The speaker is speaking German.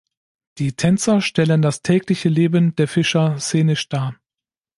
Die Tänzer stellen das tägliche Leben der Fischer szenisch dar.